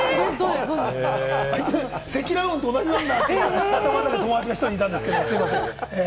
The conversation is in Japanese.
あいつ、積乱雲と同じなんだと、頭の中、友達１人いたんですが、すみません。